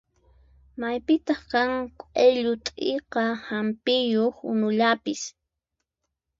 Maypitaq kan q'illu t'ika hampiyuq unullapis?